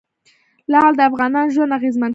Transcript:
لعل د افغانانو ژوند اغېزمن کوي.